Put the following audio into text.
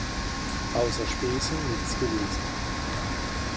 Außer Spesen nichts gewesen.